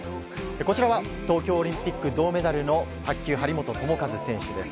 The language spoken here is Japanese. こちらは東京オリンピック銅メダルの卓球張本智和選手です。